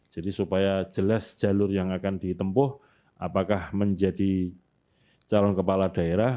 jadi supaya jelas jalur yang akan ditempuh apakah menjadi calon kepala daerah